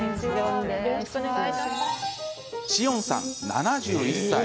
紫苑さん、７１歳。